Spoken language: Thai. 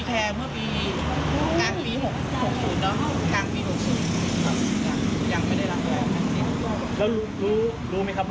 ก็แค่สังคมไม่ถึงหายแบบเป็นแล้วคุณอยู่ด้านเงินเต็มนะฮะ